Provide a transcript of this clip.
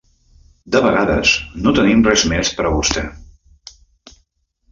De vegades, no tenim res més per a vostè.